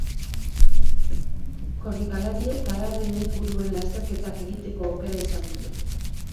Korrikalariek adarren inguruan lasterketak egiteko aukera izan dute.